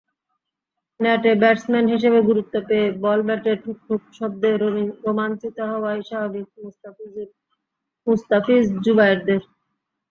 নেটে ব্যাটসম্যান হিসেবে গুরুত্ব পেয়ে বল-ব্যাটের ঠুকঠুক শব্দে রোমাঞ্চিত হওয়াই স্বাভাবিক মুস্তাফিজ-জুবায়েরদের।